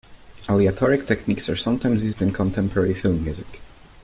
Aleatoric techniques are sometimes used in contemporary film music.